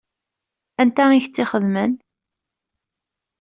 Anta i k-tt-ixedmen?